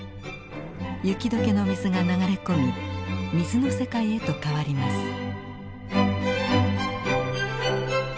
雪解けの水が流れ込み水の世界へと変わります。